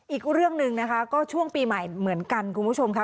อีกเรื่องหนึ่งนะคะก็ช่วงปีใหม่เหมือนกันคุณผู้ชมค่ะ